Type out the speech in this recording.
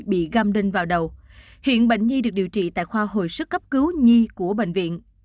bị găm đinh vào đầu hiện bệnh nhi được điều trị tại khoa hồi sức cấp cứu nhi của bệnh viện